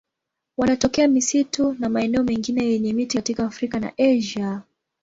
Wanatokea misitu na maeneo mengine yenye miti katika Afrika na Asia.